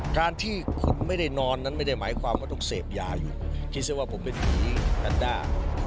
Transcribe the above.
การที่ผมไม่ได้นอนนั้นไม่ได้หมายความว่าต้องเสพยาอยู่คิดซะว่าผมเป็นผีแอนด้า